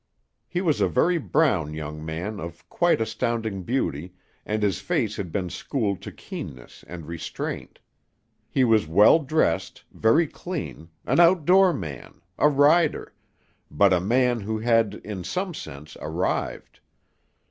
He was a very brown young man of quite astounding beauty and his face had been schooled to keenness and restraint. He was well dressed, very clean, an outdoor man, a rider, but a man who had, in some sense, arrived.